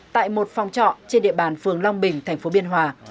tại một phòng trọ trên địa bàn phường long bình tp biên hòa